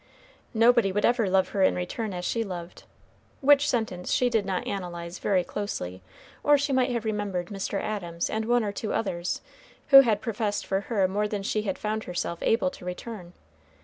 Nobody would ever love her in return as she loved; which sentence she did not analyze very closely, or she might have remembered Mr. Adams and one or two others, who had professed more for her than she had found herself able to return.